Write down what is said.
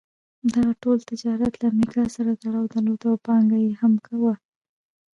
دغه ټول تجارت له امریکا سره تړاو درلود او پانګه یې هم وه.